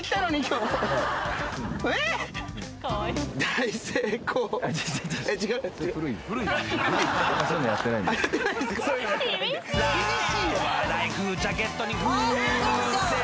「ラはライフジャケットに風船」